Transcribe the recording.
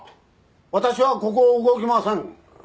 私はここを動きません。